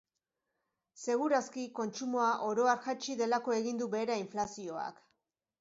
Seguru aski, kontsumoa oro har jaitsi delako egin du behera inflazioak.